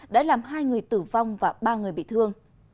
đã làm hai người tử vong và ba người bị thương